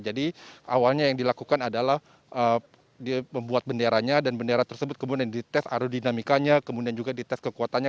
jadi awalnya yang dilakukan adalah membuat benderanya dan bendera tersebut kemudian dites aerodinamikanya kemudian juga dites kekuatannya